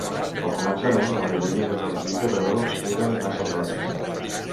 Al començament, la majoria de refrigeradors eren massa grans.